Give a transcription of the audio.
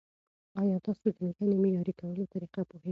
ایا تاسو د لیکنې معیاري کولو طریقه پوهېږئ؟